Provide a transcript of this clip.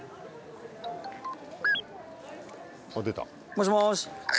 もしもし。